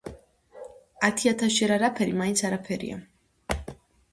„ათი-ათასჯერ არაფერი მაინც არაფერია.“